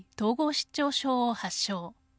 失調症を発症。